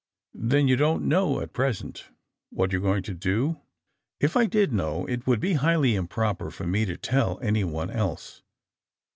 ^^Then you don't know, at present, what you're going to doT" *^If I did know it would be highly improper for me to tell anyone else."